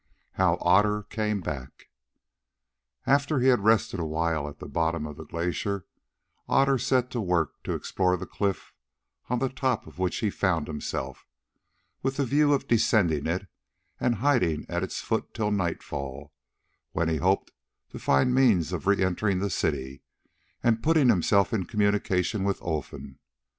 HOW OTTER CAME BACK After he had rested awhile at the bottom of the glacier, Otter set to work to explore the cliff on the top of which he found himself, with the view of descending it and hiding at its foot till nightfall, when he hoped to find means of re entering the city and putting himself in communication with Olfan.